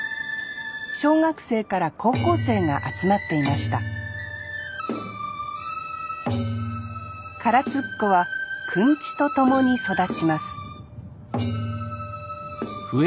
小学生から高校生が集まっていました唐津っ子はくんちと共に育ちます